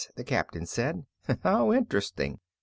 the Captain said. "How interesting.